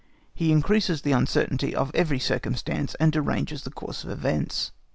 He increases the uncertainty of every circumstance, and deranges the course of events.